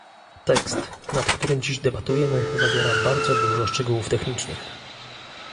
Tekst, nad którym dziś debatujemy, zawiera bardzo dużo szczegółów technicznych